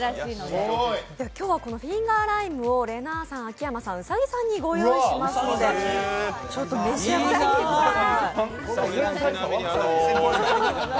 今日はフィンガーライムをれなぁさん、兎さん、秋山さんにご用意しましたので召し上がってみてください。